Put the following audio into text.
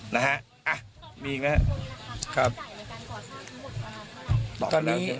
นะฮะอ้าวมีอีกไหมครับ